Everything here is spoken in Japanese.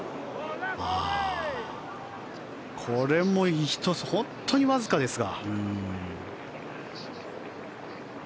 これも本当にわずかですが。